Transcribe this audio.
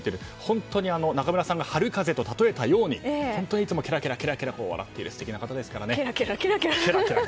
本当に、中村さんが春風と例えたように本当にいつもケラケラと笑っている素敵な方ですかららね。